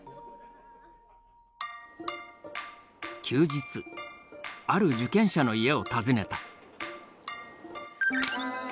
休日ある受験者の家を訪ねた。